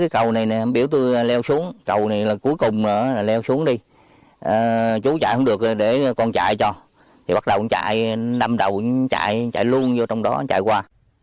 cầu này là cuối cùng là leo xuống đi chú chạy không được thì để con chạy cho thì bắt đầu chạy đâm đầu chạy chạy luôn vô trong đó chạy qua